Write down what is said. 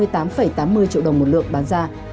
hai mươi tám tám mươi triệu đồng một lượng bán ra